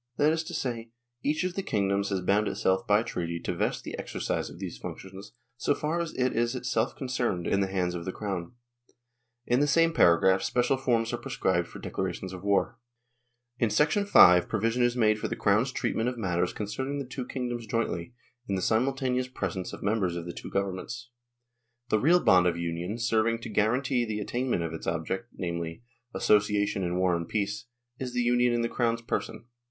That is to say, each of the kingdoms has bound itself by treaty to vest the exercise of these func tions, so far as it is itself concerned, in the hands of the Crown. In the same paragraph special forms are prescribed for declarations of war. In 5 provision is made for the Crown's treatment of 26 NORWAY AND THE UNION WITH SWEDEN matters concerning the two kingdoms jointly, in the simultaneous presence of members of the two governments. The real bond of union, serving to guarantee the attainment of its object, namely, association in War and Peace, is the union in the Crown's person.